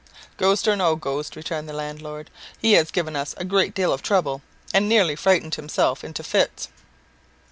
"Ghost or no ghost," returned the landlord, "he has given us a great deal of trouble, and nearly frightened himself into fits."